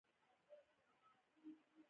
د ښو به ښه زده کړی، د بدو به څه زده کړی